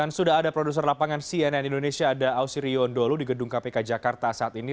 dan sudah ada produser lapangan cnn indonesia ada ausi riondolu di gedung kpk jakarta saat ini